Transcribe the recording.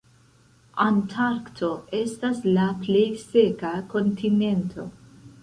Antarkto estas la plej seka kontinento.